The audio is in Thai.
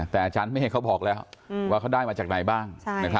แต่อาจารย์เมฆเขาบอกแล้วว่าเขาได้มาจากไหนบ้าง